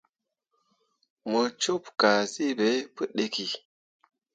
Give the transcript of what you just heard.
Mo cup kazi be pu ɗiki.